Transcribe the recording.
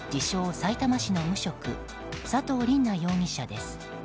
さいたま市の無職佐藤琳那容疑者です。